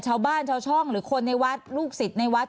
ชาวบ้านชาวช่องหรือคนในวัดลูกศิษย์ในวัด